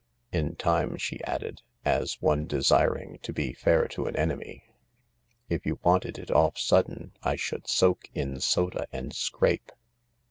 " In time," she added, as one desiring to be fair to an enemy. " If you wanted it off sudden I should soak in soda and scrape."